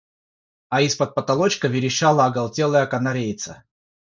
А из-под потолочка верещала оголтелая канареица.